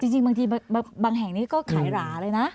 จริงบางทีบางแห่งนี้ก็ขายหราเลยนะ